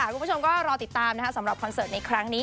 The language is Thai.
คุณผู้ชมก็รอติดตามสำหรับคอนเสิร์ตในครั้งนี้